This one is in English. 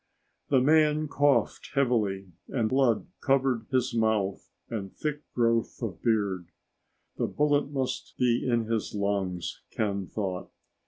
The man coughed heavily and blood covered his mouth and thick growth of beard. The bullet must be in his lungs, Ken thought.